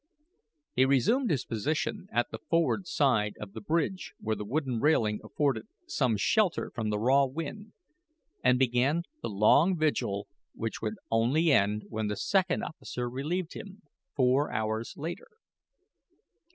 He resumed his position at the forward side of the bridge where the wooden railing afforded some shelter from the raw wind, and began the long vigil which would only end when the second officer relieved him, four hours later.